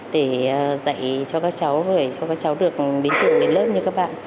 để dạy cho các cháu